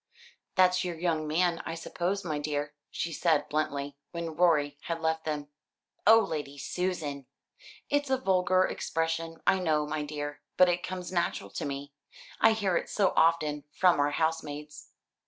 "That's your young man, I suppose, my dear," she said bluntly, when Rorie had left them. "Oh, Lady Susan!" "It's a vulgar expression, I know, my dear, but it comes natural to me; I hear it so often from our housemaids.